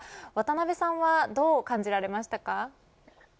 渡辺さんはどう感じられましたか。